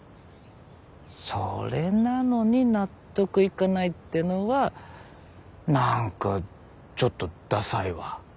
それなのに納得いかないってのは何かちょっとダサいわ。